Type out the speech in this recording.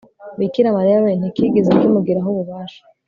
bikira mariya we ntikigeze kimugiraho ububasha